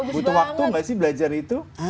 butuh waktu gak sih belajar itu